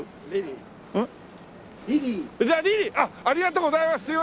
ありがとうございます。